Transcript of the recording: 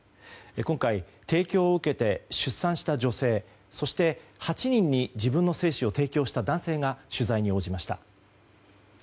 今回、提供を受けて出産した女性そして、８人に自分の精子を提供した男性が取材に応じました。